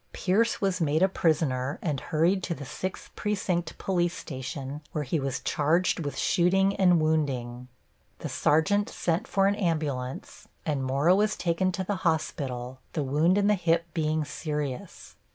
Pierce was made a prisoner and hurried to the Sixth Precinct police station, where he was charged with shooting and wounding. The sergeant sent for an ambulance, and Mora was taken to the hospital, the wound in the hip being serious.